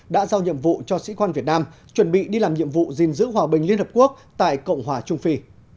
đã giao nhiệm vụ cho sĩ quan việt nam chuẩn bị đi làm nhiệm vụ gìn giữ hòa bình liên hợp quốc tại cộng hòa trung phi